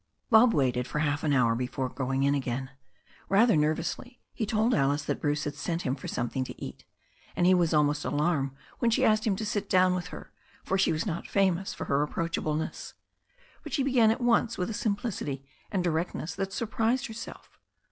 Bob waited for half an hour before going in again. Rather nervously he told Alice that Bruce had sent him for something to eat, and he was almost alarmed when she asked him to sit down with her, for she was not famous for her approachableness. But she began at once with a simplicity and directness that surprised herself.